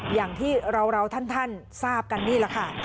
อย่างที่เราท่านทราบกันนี่แหละค่ะ